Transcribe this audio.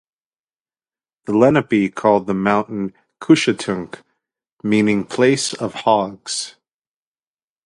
The Lenape called the mountain "Cushetunk" meaning "place of hogs".